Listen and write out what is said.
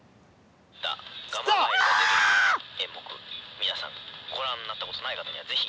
「みなさんごらんになったことない方にはぜひ」。